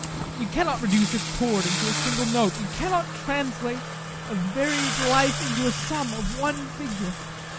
You cannot reduce a chord into a single note. You cannot translate a varied life into a sum of one figure.